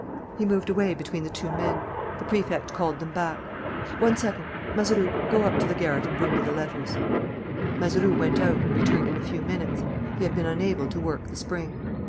He moved away between the two men. The Prefect called them back. "One second. Mazeroux, go up to the garret and bring me the letters." Mazeroux went out and returned in a few minutes. He had been unable to work the spring.